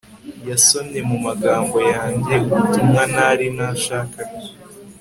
Yasomye mumagambo yanjye ubutumwa ntari nashakaga